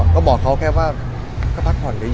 ก็บอกเขาแค่ว่าก็พักผ่อนเยอะแค่นี้